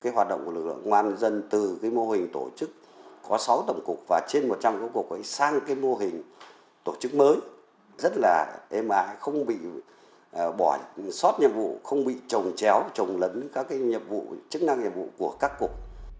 hoạt động của lực lượng ngoan dân từ mô hình tổ chức có sáu tổng cục và trên một trăm linh tổng cục sang mô hình tổ chức mới rất là em ai không bị bỏ sót nhiệm vụ không bị trồng chéo trồng lấn các nhiệm vụ chức năng nhiệm vụ của các cục